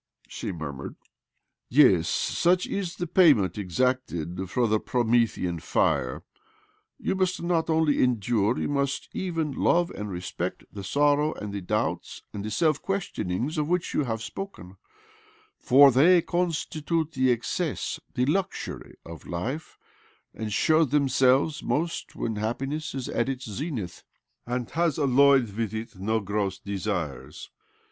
" she murmured ." Yes ; such is the payment exacted for the Promethean fire. You must not only endure, you must even love and respect, the sorrow and the doubts and the self ques tionings of which you have spoken : for they constitute the excess, the luxury, of life, and show themselves most when happiness is at its zenith, £ind has alloyed with it no gross desires.